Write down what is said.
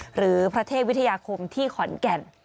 หรือพระเทพวิทยาคมที่ขอนแก่น